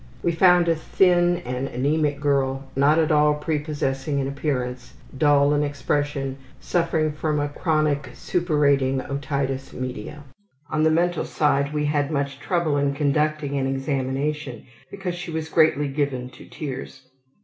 We found a thin and anemic girl, not at all prepossessing in appearance, dull in expression, suffering from a chronic suppurating otitis media. On the mental side we had much trouble in conducting an examination because she was greatly given to tears.